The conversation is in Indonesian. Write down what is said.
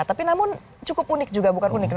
tapi namun cukup unik juga bukan unik